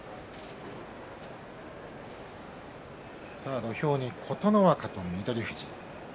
土俵に琴ノ若と翠富士。